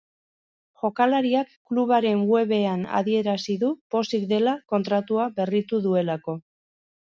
Jokalariak klubaren webean adierazi du pozik dela kontratua berritu duelako.